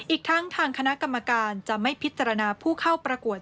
อีกทั้งทางคณะกรรมการจะไม่พิจารณาผู้เข้าประกวด